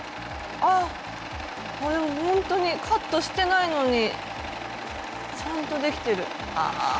ああほんとにカットしてないのにちゃんとできてる。